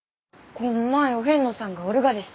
こんまいお遍路さんがおるがです。